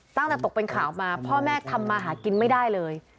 ตั้งแต่ตกเป็นข่าวมาพ่อแม่ทำมาหากินไม่ได้เลย